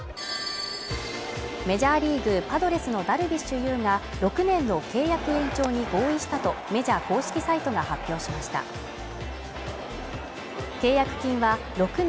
メジャーリーグ・パドレスのダルビッシュ有が６年の契約延長に合意したとメジャー公式サイトが発表しました契約金は６年